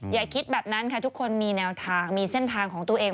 อย่าคิดแบบนั้นค่ะทุกคนมีแนวทางมีเส้นทางของตัวเอง